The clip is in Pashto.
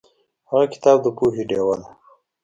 هغه کتاب د پوهې ډیوه وه.